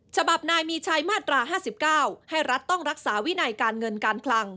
ฉบับนายมีชัยมาตรา๕๙ให้รัฐต้องรักษาวินัยการเงินการคลัง